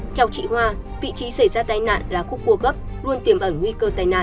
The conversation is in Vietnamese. theo chị hoa vị trí xảy ra tai nạn là khúc cua gấp luôn tiềm ẩn nguy cơ tai nạn